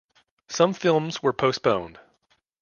Some films were postponed.